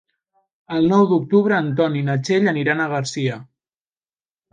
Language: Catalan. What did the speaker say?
El nou d'octubre en Ton i na Txell aniran a Garcia.